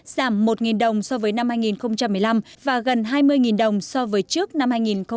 giảm một đồng so với năm hai nghìn một mươi năm và gần hai mươi đồng so với trước năm hai nghìn một mươi bảy